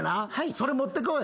それ持ってこい。